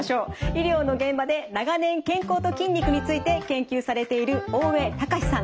医療の現場で長年健康と筋肉について研究されている大江隆史さん。